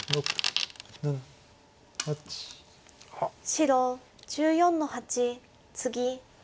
白１４の八ツギ。